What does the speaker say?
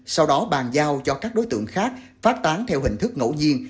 sau đó bàn giao cho các đối tượng khác phát tán theo hình thức ngẫu nhiên